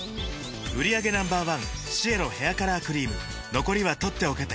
売上№１シエロヘアカラークリーム残りは取っておけて